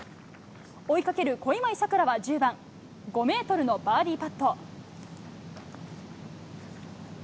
追いかける小祝さくらは１０番、５メートルのバーディーパット。